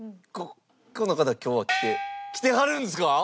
ここの方今日は来て来てはるんですか！？